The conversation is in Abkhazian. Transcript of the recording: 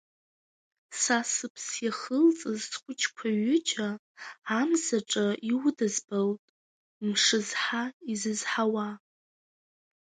Са сыԥс иахылҵыз схәыҷқәа ҩыџьа, Амзаҿа, иудызбалт, мшызҳа изызҳауа.